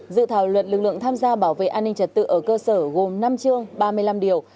dự thảo luật lực lượng tham gia bảo vệ an ninh trật tự ở cơ sở gồm năm chương ba mươi năm điều